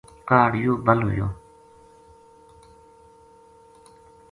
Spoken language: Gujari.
کاہڈ یوہ بَل ہویو